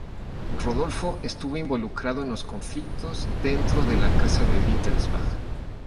Rodolfo estuvo involucrado en los conflictos dentro de la Casa de Wittelsbach.